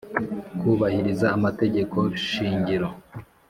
Kubahiriza amategeko shingiro,